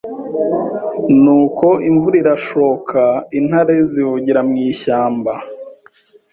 Nuko imvura irashoka, intare zivugira mu ishyamba